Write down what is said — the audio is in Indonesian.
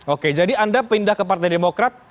oke jadi anda pindah ke partai demokrat